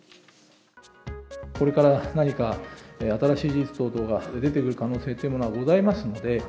これから何か新しい事実等々が出てくる可能性というものがございますので。